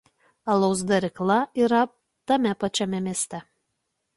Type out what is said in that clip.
Alaus darykla yra tame pačiame mieste.